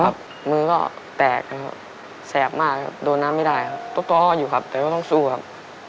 ครับมือก็แตกแสบมากโดนน้ำไม่ได้ครับตกอ้ออยู่ครับแต่ก็ต้องสู้ครับ